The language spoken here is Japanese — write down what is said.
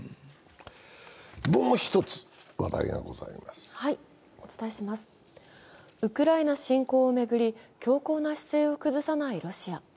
もう一つ、話題がございますウクライナ侵攻を巡り強硬な姿勢を崩さないロシア。